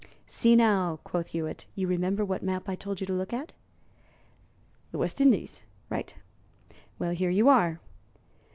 "See, now," quoth Hewitt, "you remember what map I told you to look at?" "The West Indies." "Right! Well, here you are."